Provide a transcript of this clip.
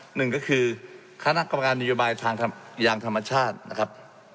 หนึ่งก็คือคณะกรรมการนโยบายทางยางธรรมชาตินะครับ